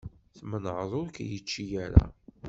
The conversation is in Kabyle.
Tmenεeḍ ur k-yečči ara.